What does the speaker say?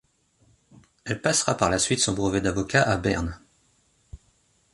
Elle passera par la suite son brevet d’avocat à Berne.